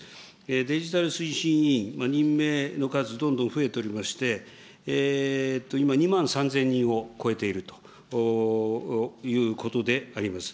デジタル推進委員任命の数、どんどん増えておりまして、今、２万３０００人を超えているということであります。